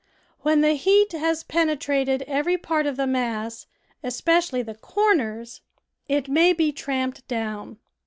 When the heat has penetrated every part of the mass, espe cially the corners, it may be tramped down.